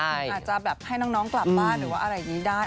อาจจะแบบให้น้องกลับบ้านหรือว่าอะไรอย่างนี้ได้